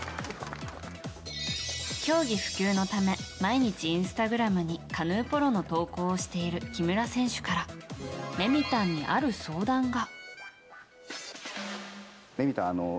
競技普及のため毎日インスタグラムにカヌーポロの投稿をしている木村選手からレミたんに、ある相談が。